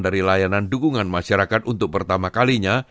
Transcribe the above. dari layanan dukungan masyarakat untuk pertama kalinya